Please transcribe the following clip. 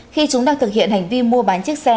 khi chúng đang thực hiện hành vi mua bán chiếc xe